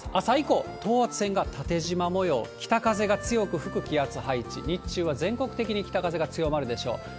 朝以降、等圧線が縦じま模様、北風が強く吹く気圧配置、日中は全国的に北風が強まるでしょう。